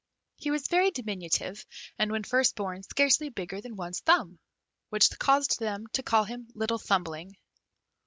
He was very diminutive, and, when first born, scarcely bigger than one's thumb, which caused them to call him Little Thumbling.